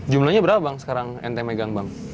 jumlahnya berapa sekarang ente megang